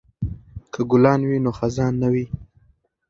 که ګلان وي نو خزان نه وي.